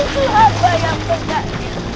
aku yang selalu berhutang